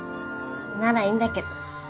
ならいいんだけど。